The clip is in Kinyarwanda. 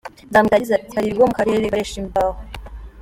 Nzamwita yagize ati "Hari ibigo mu karere bikoresha imbaho.